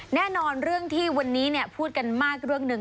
แน่นอนเรื่องที่วันนี้พูดกันมากเรื่องหนึ่ง